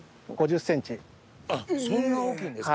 そんな大きいんですか。